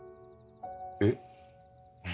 えっ？